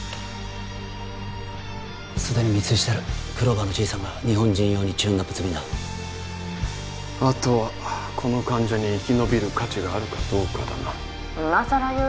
すでに密輸してるクローバーのじいさんが日本人用にチューンナップ済みだあとはこの患者に生き延びる価値があるかどうかだな今更言う？